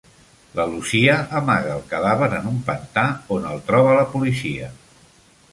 La Lucía amaga el cadàver en un pantà, on el troba la policia.